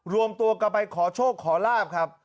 รวมตัวกันไปขอโชคขอลาบครับ